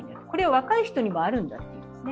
これは若い人にもあるんだと。